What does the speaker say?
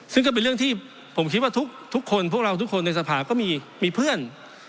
ซึ่งก็เป็นเรื่องที่ผมคิดว่าทุกคนพวกเราทุกคนในสภาก็มีเพื่อน